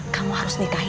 kamu harus berhati hati